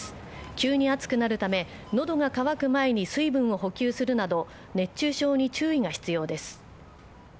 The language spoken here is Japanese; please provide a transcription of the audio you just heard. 急に暑くなるため喉が渇く前に水分を補給するなど熱中症に注意が必要です。